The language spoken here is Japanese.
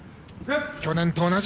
去年と同じ。